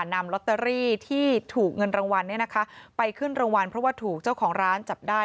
นำลอตเตอรี่ที่ถูกเงินรางวัลเนี่ยนะคะไปขึ้นรางวัลเพราะว่าถูกเจ้าของร้านจับได้